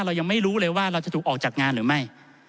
เรายังไม่รู้เลยว่าเราจะถูกออกจากงานหรือไม่